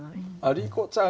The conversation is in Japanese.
リコちゃん